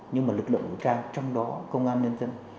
nhưng mà lực lượng vũ trang trong đó công an nhân dân